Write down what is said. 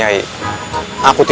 yang lebih dekat